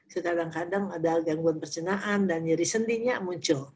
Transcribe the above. kadang kadang ada gangguan percenaan dan nyari sendinya muncul